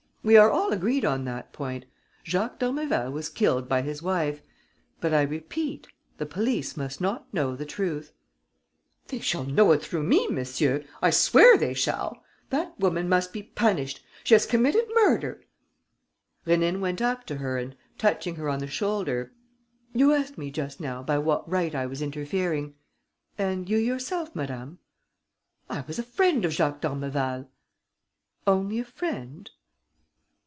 "We are all agreed on that point. Jacques d'Ormeval was killed by his wife. But, I repeat, the police must not know the truth." "They shall know it through me, monsieur, I swear they shall. That woman must be punished: she has committed murder." Rénine went up to her and, touching her on the shoulder: "You asked me just now by what right I was interfering. And you yourself, madame?" "I was a friend of Jacques d'Ormeval." "Only a friend?"